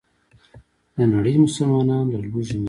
دنړۍ مسلمانان له ولږې مري.